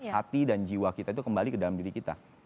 hati dan jiwa kita itu kembali ke dalam diri kita